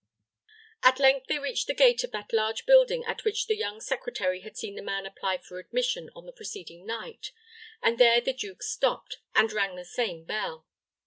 At length they reached the gate of that large building at which the young secretary had seen the man apply for admission on the preceding night, and there the duke stopped, and rang the same bell.